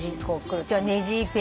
じゃあネジベ。